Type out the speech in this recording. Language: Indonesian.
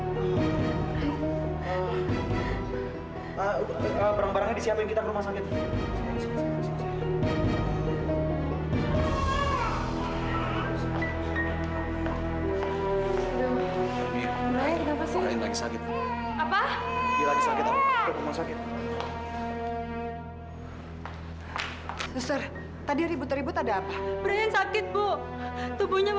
sampai jumpa di video selanjutnya